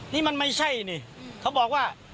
นี่มันไม่ใช่นี่เขาบอกว่า